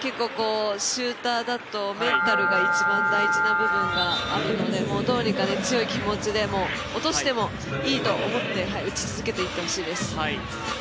シューターだとメンタルが一番大事な部分があるのでどうにか強い気持ちで、落としてもいいと思って打ち続けていってほしいです。